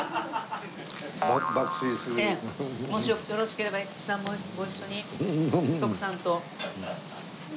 もしよろしければ五木さんもご一緒に徳さんと。